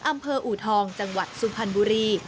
อำเภออูทองจังหวัดสุพรรณบุรี